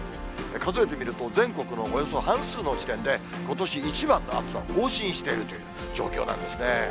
数えてみると、全国のおよそ半数の地点で、ことし一番の暑さを更新しているという状況なんですね。